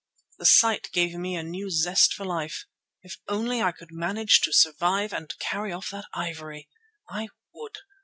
The sight gave me a new zest for life. If only I could manage to survive and carry off that ivory! I would.